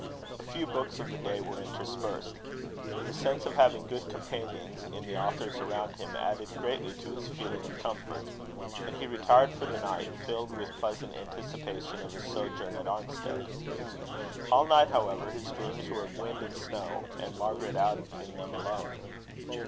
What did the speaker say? A few books of the day were interspersed. The sense of having good companions in the authors around him, added greatly to his feeling of comfort; and he retired for the night filled with pleasant anticipations of his sojourn at Arnstead. All the night, however, his dreams were of wind and snow, and Margaret out in them alone.